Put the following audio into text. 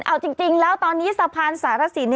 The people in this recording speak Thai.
เอาจริงแล้วตอนนี้สะพานสารสิน